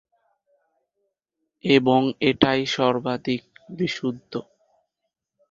এবং এটাই সর্বাধিক বিশুদ্ধ।